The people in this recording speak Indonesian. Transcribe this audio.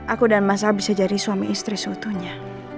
aku dan mas al bisa jadi suami istri seutunya